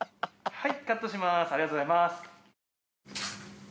はい。